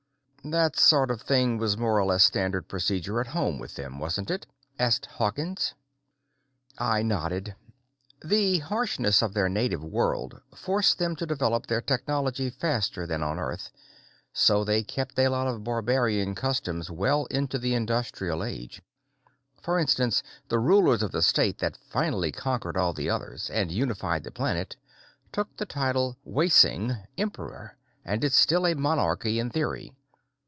"That sort of thing was more or less standard procedure at home with them, wasn't it?" asked Hawkins. I nodded. "The harshness of their native world forced them to develop their technology faster than on Earth, so they kept a lot of barbarian customs well into the industrial age. For instance, the rulers of the state that finally conquered all the others and unified the planet took the title Waelsing, Emperor, and it's still a monarchy in theory.